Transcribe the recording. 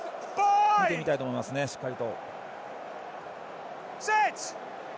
見てみたいと思います、しっかり。